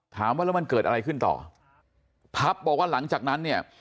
ถามว่าแล้วมันเกิดอะไรขึ้นต่อพับบอกว่าหลังจากนั้นเนี่ย